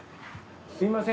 すみません